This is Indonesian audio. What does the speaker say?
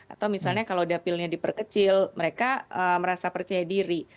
atau misalnya kalau dapilnya diperkecil mereka merasa percaya diri